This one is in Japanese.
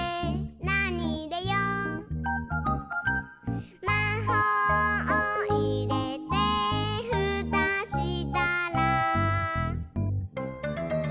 「なにいれよう？」「まほうをいれてふたしたら」